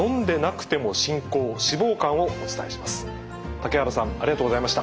竹原さんありがとうございました。